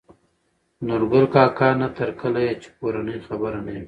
نورګل کاکا : نه تر کله يې چې کورنۍ خبره نه وي